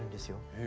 へえ。